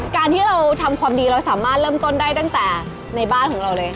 การที่เราทำความดีเราสามารถเริ่มต้นได้ตั้งแต่ในบ้านของเราเลยค่ะ